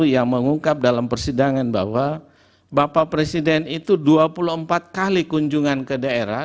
yang mengungkap dalam persidangan bahwa bapak presiden itu dua puluh empat kali kunjungan ke daerah